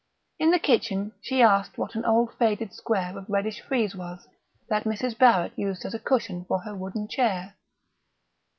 In the kitchen she asked what an old faded square of reddish frieze was, that Mrs. Barrett used as a cushion for her wooden chair.